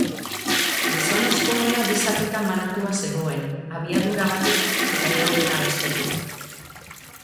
Gizonezkoena bi zatitan banatua zegoen, abiadura batetik eta iraupena bestetik.